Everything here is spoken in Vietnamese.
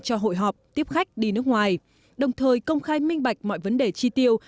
cho hội họp tiếp khách đi nước ngoài đồng thời công khai minh bạch mọi vấn đề chi tiêu